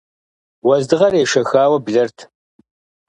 Уэздыгъэр ешэхауэ блэрт.